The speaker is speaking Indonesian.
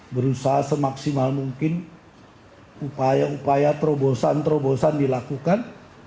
berusaha semaksimal mungkin upaya upaya terobosan terobosan dilakukan